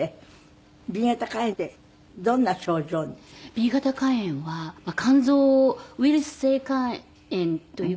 Ｂ型肝炎は肝臓ウイルス性肝炎という事で。